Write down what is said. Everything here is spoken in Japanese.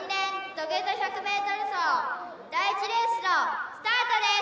土下座１００ｍ走第１レースのスタートです